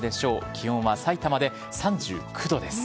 気温はさいたまで３９度です。